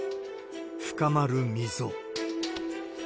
深まる溝。